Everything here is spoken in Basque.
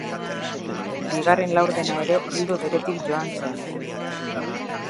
Bigarren laurdena ere ildo beretik joan zen.